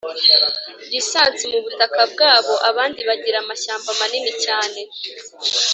lisansi mu butaka bwabo; abandi bagira amashyamba manini cyane,